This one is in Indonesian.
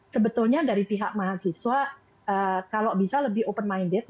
sebetulnya dari pihak mahasiswa kalau bisa lebih open minded